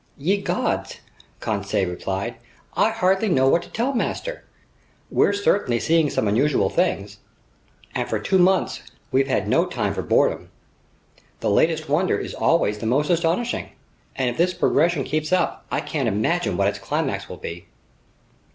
"Ye gods," Conseil replied, "I hardly know what to tell master. We're certainly seeing some unusual things, and for two months we've had no time for boredom. The latest wonder is always the most astonishing, and if this progression keeps up, I can't imagine what its climax will be.